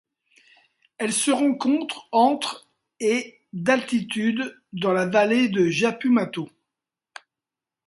Elle se rencontre entre et d'altitude dans la vallée de Japumato.